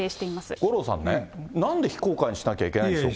五郎さん、なんで非公開にしなきゃいけないんでしょうか。